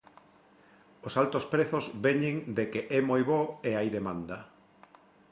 Os altos prezos veñen de que é moi bo e hai demanda.